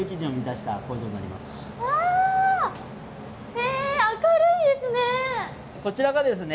へえ明るいですね！